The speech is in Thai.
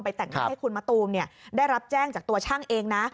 แต่งให้คุณมะตูมได้รับแจ้งจากตัวช่างเองนะ